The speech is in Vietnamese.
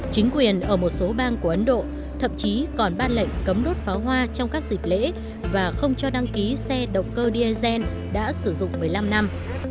chính quyền ở một số bang của ấn độ thậm chí còn ban lệnh cấm đốt pháo hoa trong các dịp lễ và không cho đăng ký xe động cơ diesel đã sử dụng một mươi năm năm